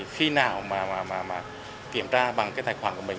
khi nào mà kiểm tra bằng cái tài khoản của mình